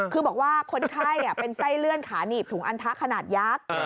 คือบอกว่าคนไข้เป็นไส้เลื่อนขาหนีบถุงอันทะขนาดยักษ์